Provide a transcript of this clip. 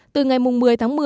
từ ngày một mươi tháng một mươi